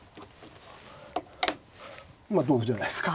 まあ同歩じゃないですか。